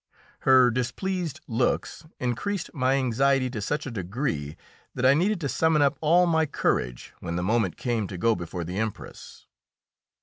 Her displeased looks increased my anxiety to such a degree that I needed to summon up all my courage when the moment came to go before the Empress.